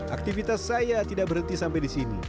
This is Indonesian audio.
aktivitas saya tidak berhenti sampai di sini